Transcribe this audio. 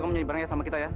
kann banan juga kan